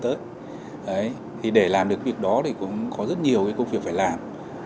thì để làm được việc đó thì cũng có rất nhiều cái công việc phải làm